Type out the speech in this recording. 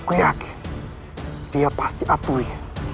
aku yakin dia pasti abui